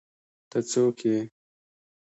ته څوک ئې؟